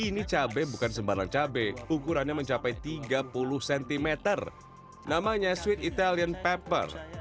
namanya sweet italian pepper